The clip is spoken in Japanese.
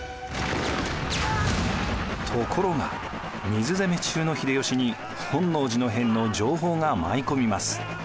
ところが水攻め中の秀吉に本能寺の変の情報が舞い込みます。